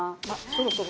そろそろ？